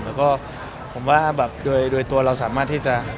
แล้วก็ผมว่าแบบโดยตัวเราสามารถที่จะ